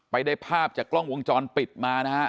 ได้ภาพจากกล้องวงจรปิดมานะฮะ